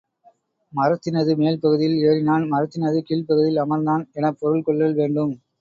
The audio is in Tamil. மரத்தினது மேல்பகுதியில் ஏறினான் மரத்தினது கீழ்ப்பகுதியில் அமர்ந்தான் எனப் பொருள் கொள்ளல் வேண்டும்.